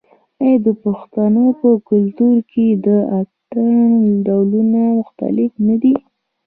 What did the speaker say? آیا د پښتنو په کلتور کې د اتن ډولونه مختلف نه دي؟